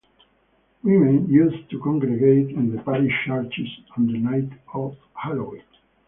Women used to congregate in the parish churches on the night of Halloween.